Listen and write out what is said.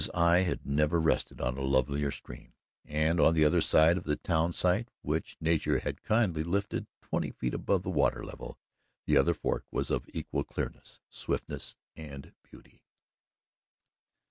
His eye had never rested on a lovelier stream, and on the other side of the town site, which nature had kindly lifted twenty feet above the water level, the other fork was of equal clearness, swiftness and beauty.